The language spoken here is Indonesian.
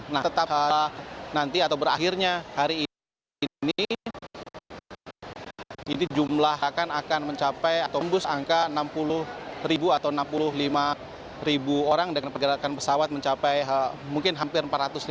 nah tetap nanti atau berakhirnya hari ini ini jumlah akan mencapai ataumbus angka enam puluh ribu atau enam puluh lima ribu orang dengan pergerakan pesawat mencapai mungkin hampir empat ratus lima puluh